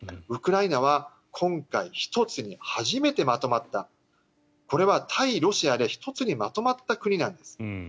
ウクライナは今回一つに初めてまとまったこれは対ロシアで一つにまとまった国なんです。